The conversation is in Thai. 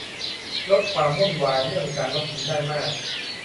ลดความวุ่นวายเรื่องการล็อกอินได้มาก